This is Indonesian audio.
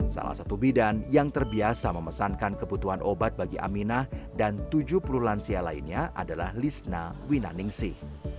salah satu bidan yang terbiasa memesankan kebutuhan obat bagi aminah dan tujuh puluh lansia lainnya adalah lisna winaningsih